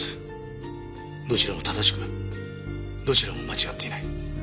どちらも正しくどちらも間違っていない。